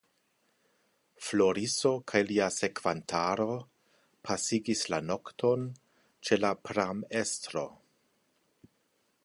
Floriso kaj lia sekvantaro pasigis la nokton ĉe la pramestro.